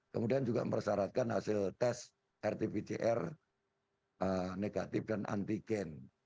kemudian juga mempersyaratkan hasil tes rt pcr negatif dan anti gain